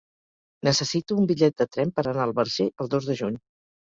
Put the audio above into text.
Necessito un bitllet de tren per anar al Verger el dos de juny.